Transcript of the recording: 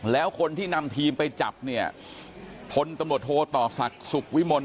แล้วคนที่นำทีมไปจับเนี่ยพลตำรวจโทต่อศักดิ์สุขวิมล